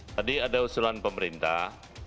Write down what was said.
tadi ada usulan pemerintah